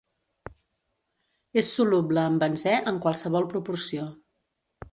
És soluble en benzè en qualsevol proporció.